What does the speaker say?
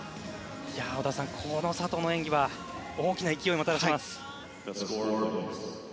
この佐藤の演技は大きな勢いをもたらします。